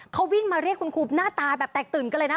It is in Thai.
เขาวิ่งมาเรียกคุณครูหน้าตาแบบแตกตื่นกันเลยนะ